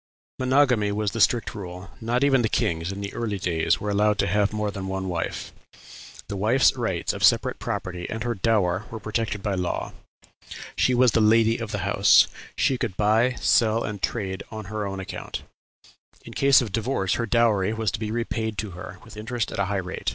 Monogamy was the strict rule; not even the kings, in the early days, were allowed to have more than one wife. The wife's rights of separate property and her dower were protected by law; she was "the lady of the house;" she could "buy, sell, and trade on her own account;" in case of divorce her dowry was to be repaid to her, with interest at a high rate.